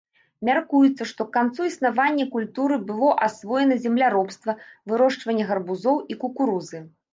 Мяркуецца, што к канцу існавання культуры было асвоена земляробства, вырошчванне гарбузоў і кукурузы.